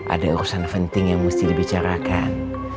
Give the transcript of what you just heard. ada urusan penting yang mesti dibicarakan